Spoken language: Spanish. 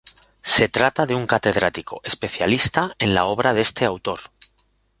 Se trata de un catedrático, especialista en la obra de este autor.